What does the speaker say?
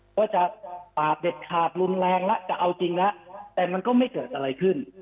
ก็จะปาดเด็ดขาดรุนแรงแล้วจะเอาจริงแล้วแต่มันก็ไม่เกิดอะไรขึ้น